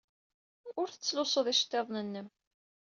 Ur tettlusud iceḍḍiḍen-nnem.